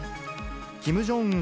キム・ジョンウン